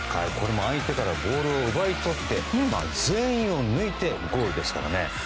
相手からボールを奪い取って全員を抜いてゴールですからね。